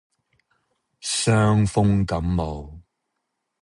傷風感冒